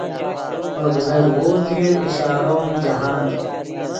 پے ڤزدغوز دیر اشارو ام جاہند